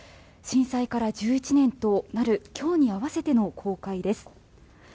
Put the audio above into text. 震災から１１年となる今日に合わせての公開です。